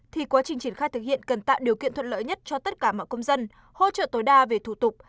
thì quá trình triển khai thực hiện cần tạo điều kiện thuận lợi nhất cho tất cả mọi công dân hỗ trợ tối đa về thủ tục